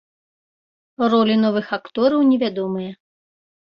Ролі новых актораў невядомыя.